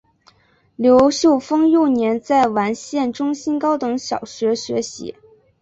刘秀峰幼年在完县中心高等小学学习。